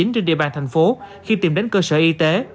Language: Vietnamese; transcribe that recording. trên địa bàn thành phố khi tìm đến cơ sở y tế